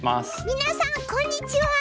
皆さんこんにちは！